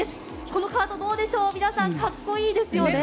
このカートどうでしょうかっこいいですよね。